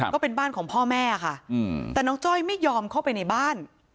ก็เป็นบ้านของพ่อแม่ค่ะแต่น้องจ้อยไม่ยอมเข้าไปในบ้าน